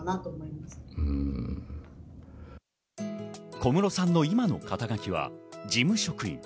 小室さんの今の肩書きは事務職員。